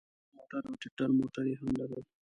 لوی موټر او ټیکټر موټر یې هم لرل.